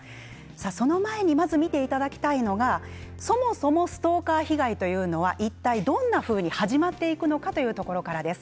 その前にまず見ていただきたいのがそもそもストーカー被害というのはいったいどんなふうに始まっていくのかというところからです。